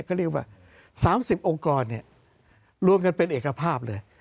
ก็เรียกว่า๓๐องค์กรรวมกันเป็นเอกภาพเลย